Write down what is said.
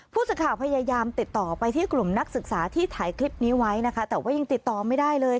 ผู้สิทธิ์ข่าวพยายามติดต่อไปที่กลุ่มนักศึกษาที่ถ่ายคลิปนี้ไว้